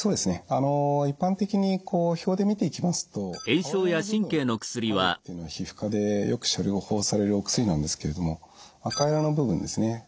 あの一般的にこう表で見ていきますと青色の部分までっていうのは皮膚科でよく処方されるお薬なんですけれども赤色の部分ですね